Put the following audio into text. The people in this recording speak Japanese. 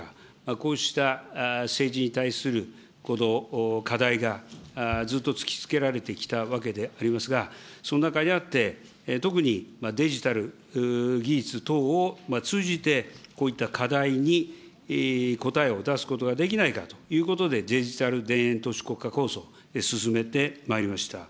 こうした政治に対すること、課題が、ずっと突きつけられてきたわけでありますが、その中にあって、特にデジタル技術等を通じて、こういった課題に答えを出すことができないかということで、デジタル田園都市国家構想、進めてまいりました。